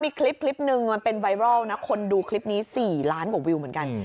มีคลิปหนึ่งมันเป็นไวรัลนะคนดูคลิปนี้๔ล้านกว่าวิวเหมือนกัน